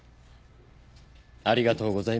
ありがとうございます。